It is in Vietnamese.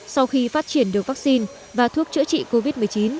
sau khi phát triển được vaccine và thuốc chữa trị covid một mươi chín